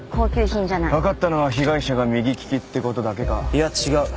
いや違う。